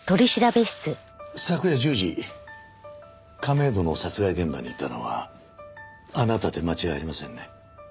昨夜１０時亀戸の殺害現場にいたのはあなたで間違いありませんね？